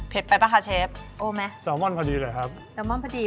เผ็ดไปป่ะค่ะเชฟโอ้มั้ยซาวม่อนพอดีเลยครับซาวม่อนพอดี